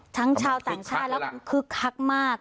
ทั้งชาวต่างชาติและครึกครักมาก